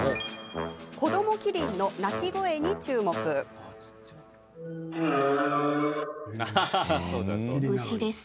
子どもキリンの鳴き声に注目です。